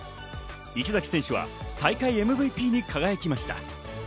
池崎選手は大会ＭＶＰに輝きました。